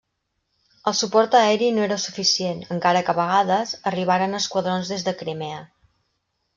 El suport aeri no era suficient, encara que a vegades arribaren esquadrons des de Crimea.